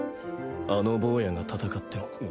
あの坊やが戦っても。